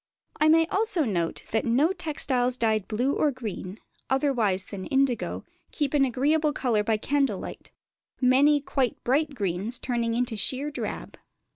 I may also note that no textiles dyed blue or green, otherwise than by indigo, keep an agreeable colour by candle light: many quite bright greens turning into sheer drab.